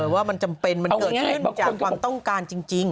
ว่ามันจำเป็นมันเกิดขึ้นจากความต้องการจริง